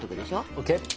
ＯＫ。